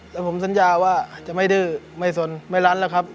และผมสัญญาว่าจะไม่ดื้อไม่สนไม่ล้านหรอกครับ